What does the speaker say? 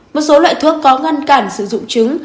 một số loại thuốc có ngăn cản sử dụng trứng